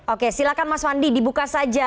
oke silahkan mas wandi dibuka saja